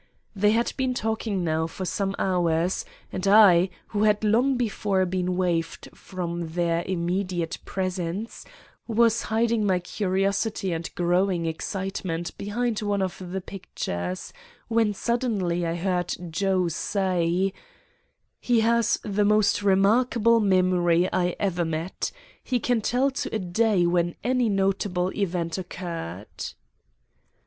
They had been talking now for some hours, and I, who had long before been waved from their immediate presence, was hiding my curiosity and growing excitement behind one of the pictures, when suddenly I heard Joe say: "'He has the most remarkable memory I ever met. He can tell to a day when any notable event occurred.